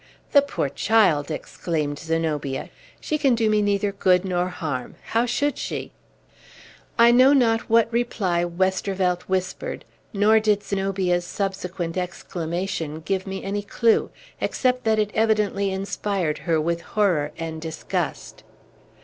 "The poor child!" exclaimed Zenobia. "She can do me neither good nor harm. How should she?" I know not what reply Westervelt whispered; nor did Zenobia's subsequent exclamation give me any clew, except that it evidently inspired her with horror and disgust.